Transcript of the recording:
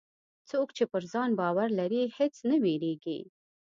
څوک چې پر ځان باور لري، هېڅ نه وېرېږي.